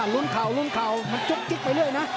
ลุ้นเข่าลุ้นเข่ามันจุ๊กจิ๊กไปเรื่อยนะ